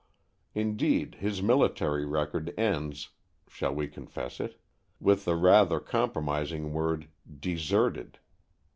Indeed, his military record ends (shall we confess it?) with the rather compromising word, "deserted."